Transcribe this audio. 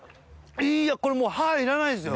いやこれもう歯いらないですよ。